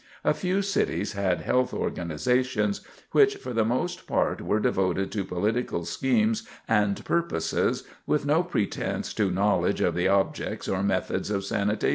A few cities had health organizations which, for the most part, were devoted to political schemes and purposes, with no pretense to knowledge of the objects or methods of sanitation.